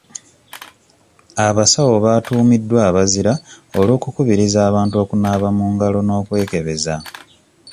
Abasawo batuumiddwa abazira olw'okukubiriza abantu okunaaba mu ngalo n'okwekebeza.